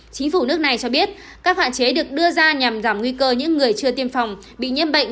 chính phủ nước này cho biết các hạn chế được đưa ra nhằm giảm nguy cơ những người chưa tiêm phòng bị nhiễm bệnh